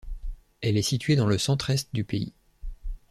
Elle est située dans le centre-est du pays.